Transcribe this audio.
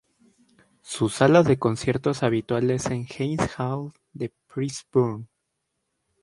Su sala de conciertos habitual es el Heinz Hall de Pittsburgh.